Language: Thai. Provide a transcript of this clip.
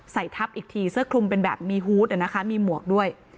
ทับอีกทีเสื้อคลุมเป็นแบบมีฮูตมีหมวกด้วย